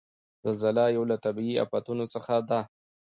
زلزله یو له طبعیي آفتونو څخه ده.